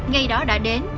ngày đó đã đến